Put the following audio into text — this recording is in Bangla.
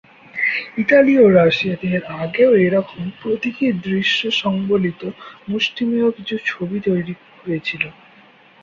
ইতালি এবং রাশিয়াতে এর আগেও এরকম প্রতীকী দৃশ্য সংবলিত মুষ্টিমেয় কিছু ছবি তৈরি হয়েছিল।